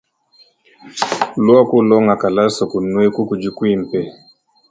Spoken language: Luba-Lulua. Luaku ulonga kalasa kunueku kudi kuimpe.